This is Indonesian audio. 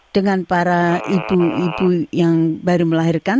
dengan para ibu ibu yang baru melahirkan